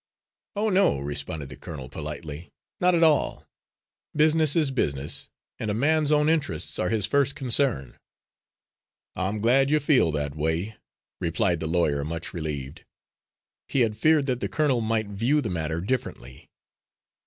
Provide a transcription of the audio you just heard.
"Oh, no," responded the colonel, politely, "not at all. Business is business, and a man's own interests are his first concern." "I'm glad you feel that way," replied the lawyer, much relieved. He had feared that the colonel might view the matter differently.